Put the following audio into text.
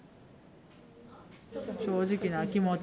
正直な気持ち。